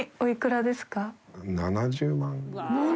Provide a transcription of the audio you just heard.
７０万？